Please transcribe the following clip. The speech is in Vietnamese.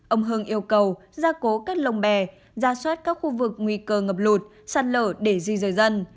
ông hưng yêu cầu gia cố các lồng bè ra soát các khu vực nguy cơ ngập lụt sạt lở để di dời dân